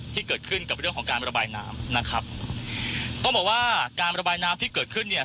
ที่เกิดขึ้นกับเรื่องของการระบายน้ำนะครับต้องบอกว่าการระบายน้ำที่เกิดขึ้นเนี่ย